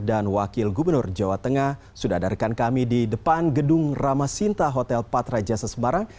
dan wakil gubernur jawa tengah sudah adarkan kami di depan gedung ramasinta hotel patraja sesembarang